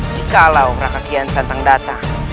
jikalau raka kiansantang datang